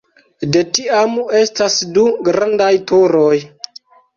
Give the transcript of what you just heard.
De tiam estas du grandaj turoj.